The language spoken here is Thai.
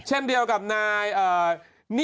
เช็ดแรงไปนี่